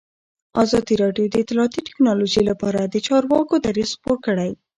ازادي راډیو د اطلاعاتی تکنالوژي لپاره د چارواکو دریځ خپور کړی.